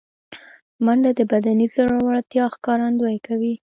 منډه د بدني زړورتیا ښکارندویي کوي